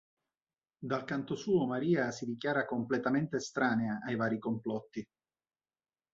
Dal canto suo, Maria si dichiara completamente estranea ai vari complotti.